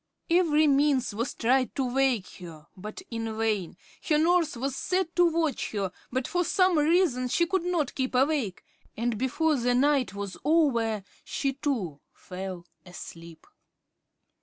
Every means was tried to wake her, but in vain. Her nurse was set to watch her, but for some reason she could not keep awake, and before the night was over, she, too, fell asleep.